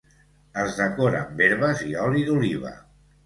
Es decora amb herbes i oli d'oliva.